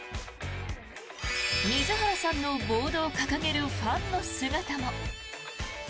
水原さんのボードを掲げるファンの姿も。